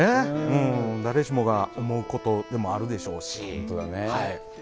誰しもが思うことでもあるでしょうし。